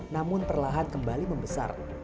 namun perlahan kembali membesar